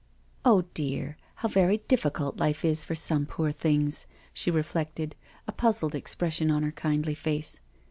" Oh dear, how very difficult life is for some poor things," she reflected, a puzzled expression on her kindly face.